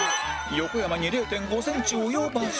横山に ０．５ センチ及ばず